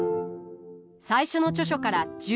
最初の著書から１０年。